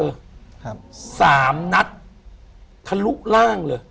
ครับสามนัดทะลุร่างเลย